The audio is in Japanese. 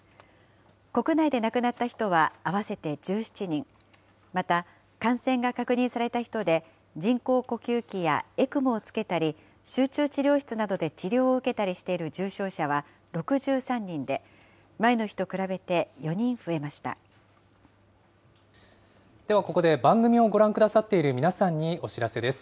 国内で亡くなった人は合わせて１７人、また感染が確認された人で、人工呼吸器やＥＣＭＯをつけたり、集中治療室などで治療を受けたりしている重症者は６３人で、前のではここで、番組をご覧くださっている皆さんにお知らせです。